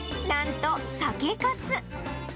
なんと酒かす。